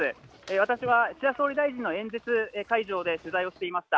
私は岸田総理大臣の演説会場で取材をしていました。